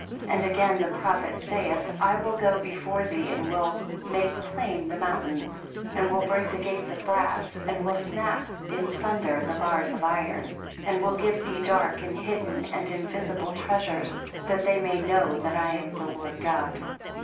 5 And again the prophet saith, I will go before thee, and will make plain the mountains, and will break the gates of brass, and will snap in sunder the bars of iron; and will give thee dark, and hidden, and invisible treasures, that they may know that I am the Lord God.